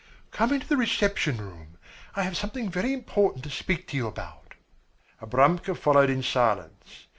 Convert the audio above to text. "Come into the reception room. I have something very important to speak to you about." Abramka followed in silence.